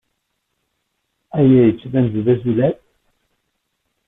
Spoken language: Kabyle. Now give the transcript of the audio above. Aya yettban-d d azulal?